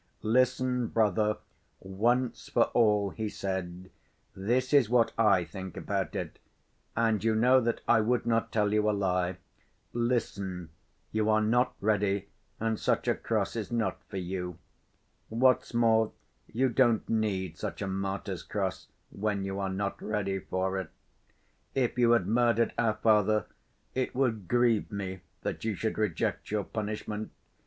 "Listen, brother, once for all," he said. "This is what I think about it. And you know that I would not tell you a lie. Listen: you are not ready, and such a cross is not for you. What's more, you don't need such a martyr's cross when you are not ready for it. If you had murdered our father, it would grieve me that you should reject your punishment.